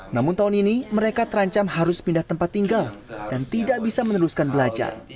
namun tahun ini mereka terancam harus pindah tempat tinggal dan tidak bisa meneruskan belajar